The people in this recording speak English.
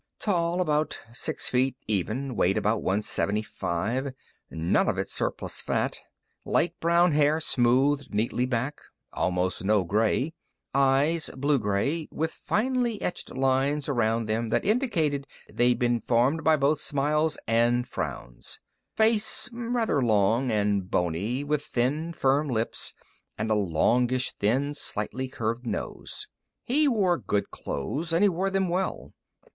Tall, about six feet even; weight about 175, none of it surplus fat; light brown hair smoothed neatly back, almost no gray; eyes, blue gray, with finely etched lines around them that indicated they'd been formed by both smiles and frowns: face, rather long and bony, with thin, firm lips and a longish, thin, slightly curved nose. He wore good clothes, and he wore them well.